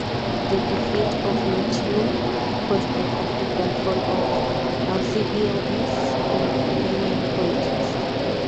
The defeat at Notium caused the complete downfall of Alcibiades in Athenian politics.